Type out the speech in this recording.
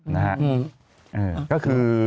นะครับ